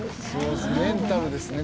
メンタルですね